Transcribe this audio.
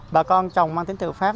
bà con trồng mang tính tự phát